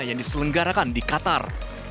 yang diselenggarakan di qatar